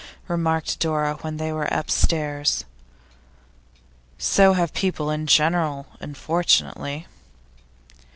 remarked Dora, when they were upstairs. 'So have people in general, unfortunately.